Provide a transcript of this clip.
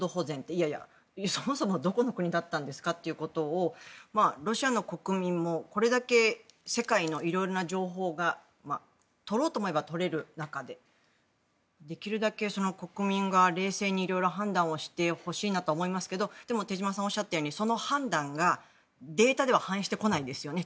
いやいや、そもそもどこの国だったんですか？ということをロシアの国民もこれだけ世界のいろいろな情報が取ろうと思えば取れる中でできるだけ国民が冷静にいろいろ判断してほしいなと思いますがでも手嶋さんがおっしゃったようにその判断がデータでは反映してこないんですよね。